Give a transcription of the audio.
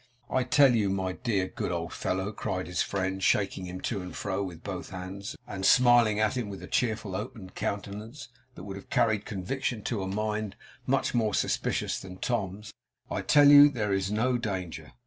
'I tell you, my dear good old fellow,' cried his friend, shaking him to and fro with both hands, and smiling at him with a cheerful, open countenance, that would have carried conviction to a mind much more suspicious than Tom's; 'I tell you there is no danger.